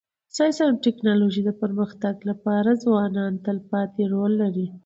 د ساینس او ټکنالوژۍ د پرمختګ لپاره ځوانان تلپاتی رول لري.